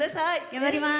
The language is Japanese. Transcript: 頑張ります。